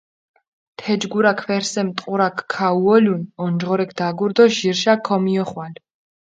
თეჯგურა ქვერსემ ტყურაქ ქაუოლუნ, ონჯღორექ დაგურჷ დო ჟირშა ქომიოხვალ.